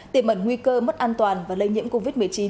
tiềm ẩn nguy cơ mất an toàn và lây nhiễm covid một mươi chín